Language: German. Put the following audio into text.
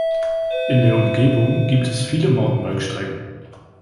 In der Umgebung gibt es gibt viele Mountainbike-Strecken.